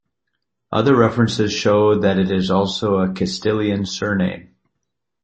Other references show that it is also a Castilian surname.